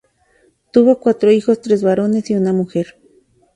Tuvo cuatro hijos, tres varones y una mujer.